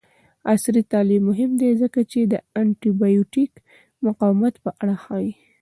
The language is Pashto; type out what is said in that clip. عصري تعلیم مهم دی ځکه چې د انټي بایوټیک مقاومت په اړه ښيي.